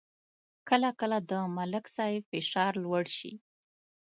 کله کله د ملک صاحب فشار لوړ شي